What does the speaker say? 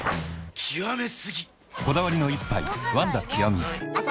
極め過ぎ！